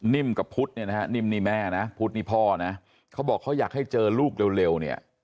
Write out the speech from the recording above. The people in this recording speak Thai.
นิ่มกับพุธนี่นะเรานิ่มนี้แม่นะพุธนี่พ่อนะเค้าบอกเขาอยากให้เจอลูกเร็วเนี้ย